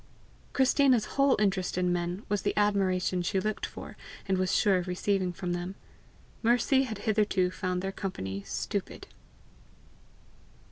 Christina's whole interest in men was the admiration she looked for and was sure of receiving from them; Mercy had hitherto found their company stupid.